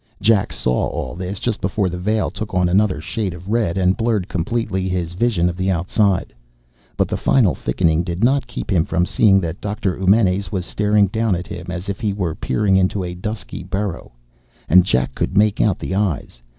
Jack saw all this just before the veil took on another shade of red and blurred completely his vision of the outside. But the final thickening did not keep him from seeing that Doctor Eumenes was staring down at him as if he were peering into a dusky burrow. And Jack could make out the eyes.